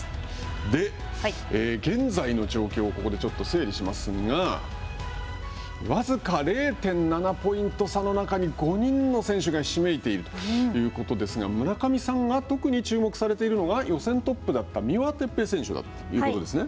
で、現在の状況、ここでちょっと整理しますが僅か０．７ポイント差の中に、５人の選手がひしめいているということですが、村上さんが特に注目されているのが、予選トップだった三輪哲平選手だということですね。